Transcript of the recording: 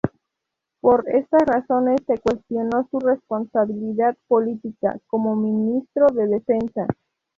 Por estas razones se cuestionó su "responsabilidad política" como Ministro de Defensa.